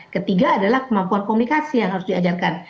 ketiga adalah kemampuan komunikasi yang harus diajarkan